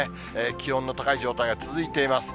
気温の高い状態が続いています。